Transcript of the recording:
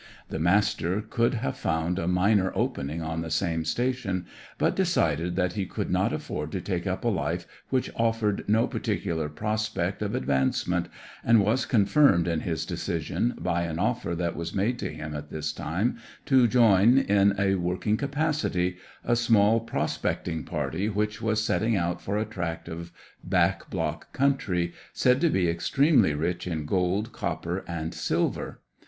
The Master could have found a minor opening on the same station, but decided that he could not afford to take up a life which offered no particular prospect of advancement, and was confirmed in his decision by an offer that was made to him at this time to join, in a working capacity, a small prospecting party which was setting out for a tract of back block country said to be extremely rich in gold, copper, and silver.